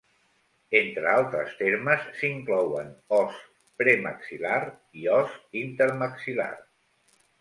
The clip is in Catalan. Entre altres termes, s'inclouen "os premaxil·lar" i "os intermaxil·lar".